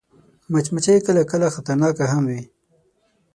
مچمچۍ کله کله خطرناکه هم وي